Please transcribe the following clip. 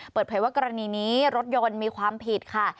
เปิดเผยว่ากรณีนี้รถยนต์มีความผิดค่ะ